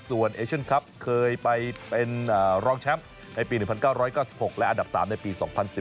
ส่วนเอเชียนครับเคยไปเป็นรองแชมป์ในปี๑๙๙๖และอันดับ๓ในปี๒๐๑๙